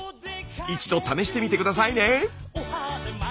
一度試してみて下さいね。